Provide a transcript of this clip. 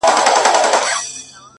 وينه د وجود مي ده ژوندی يم پرې ـ